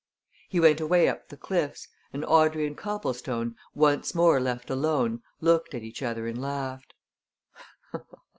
He went away up the cliffs, and Audrey and Copplestone, once more left alone, looked at each other and laughed.